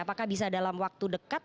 apakah bisa dalam waktu dekat